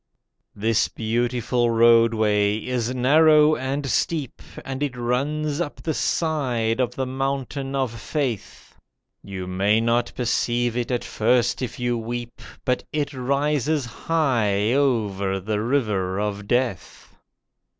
This beautiful Roadway is narrow and steep, And it runs up the side of the Mountain of Faith. You may not perceive it at first if you weep, But it rises high over the River of Death.